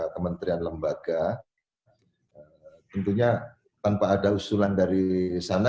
kementerian lembaga tentunya tanpa ada usulan dari sana